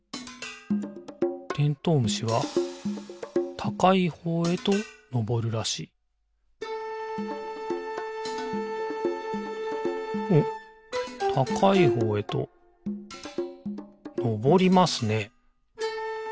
虫はたかいほうへとのぼるらしいおったかいほうへとのぼりますね。